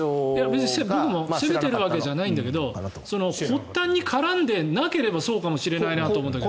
別にそれは僕も責めているわけじゃないんだけど発端に絡んでなければそうかもしれないなと思うんだけど。